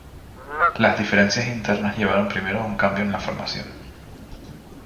Las diferencias internas llevaron primero a un cambio en la formación.